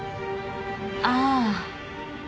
ああ。